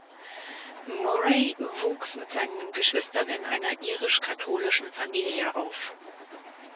Murray wuchs mit seinen Geschwistern in einer irisch-katholischen Familie auf.